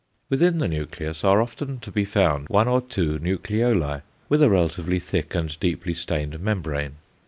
Within the nucleus are often to be found one or two nucleoli with a relatively thick and deeply stained membrane.